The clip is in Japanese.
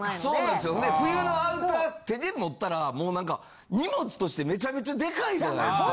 で冬のアウター手で持ったらもう何か荷物としてめちゃめちゃデカいじゃないですか。